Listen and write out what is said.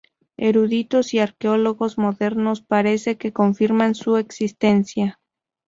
Eruditos y arqueólogos modernos parece que confirman su existencia.